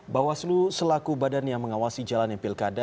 bahwa seluruh selaku badan yang mengawasi jalan yang pilkada